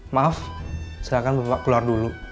maaf silahkan bapak keluar dulu